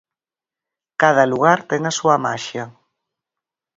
Cada lugar ten a súa maxia.